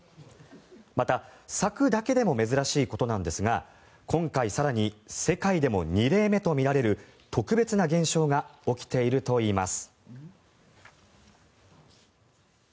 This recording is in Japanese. また、咲くだけでも珍しいことなんですが今回、更に世界でも２例目とみられる特別な現象が起きているといいます。